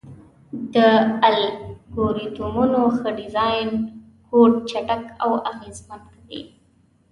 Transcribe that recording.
د الګوریتمونو ښه ډیزاین کوډ چټک او اغېزمن کوي.